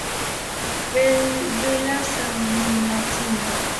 Villaseñor ni "Mlatina".